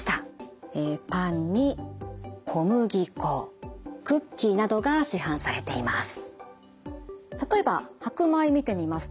パンに小麦粉クッキーなどが市販されています。